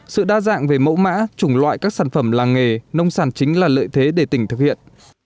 sự đa dạng về mẫu mã chủng loại các sản phẩm làng nghề nông sản chính là lợi thế để tỉnh thực hiện